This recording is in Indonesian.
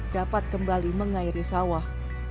dapat kembali mengairi sawah